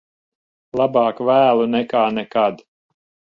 Labāk vēlu nekā nekad.